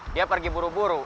dia pergi buru buru